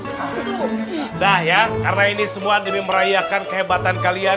nah ya karena ini semua demi merayakan kehebatan kalian